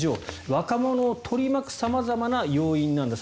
若者を取り巻く様々な要因なんだと。